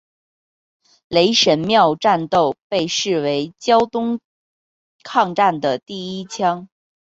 雷神庙战斗被视为胶东抗战的第一枪。